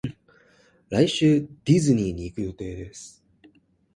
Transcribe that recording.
来週ディズニーに行く予定です